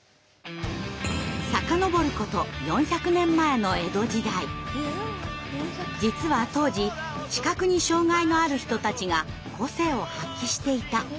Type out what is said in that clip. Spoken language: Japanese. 遡ること４００年前の「実は当時視覚に障害のある人たちが個性を発揮していた」。